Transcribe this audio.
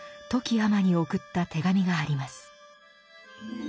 富木尼に送った手紙があります。